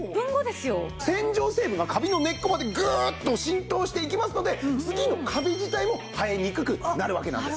洗浄成分がカビの根っこまでグーッと浸透していきますので次のカビ自体も生えにくくなるわけなんですね。